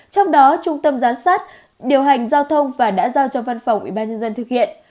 trong đó trung tâm gián sát điều hành giao thông và đã giao cho văn phòng ủy ban nhân dân thực hiện